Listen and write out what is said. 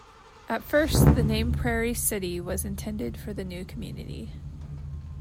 At first the name Prairie City was intended for the new community.